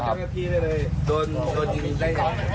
จารย์พี่ได้เลยโดนหรือนี่ได้เหรอ